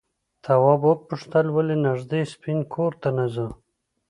تواب وپوښتل ولې نږدې سپین کور ته نه ځو؟